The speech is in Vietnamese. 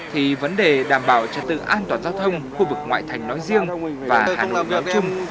thì vấn đề đảm bảo trật tự an toàn giao thông khu vực ngoại thành nói riêng và an ninh nói chung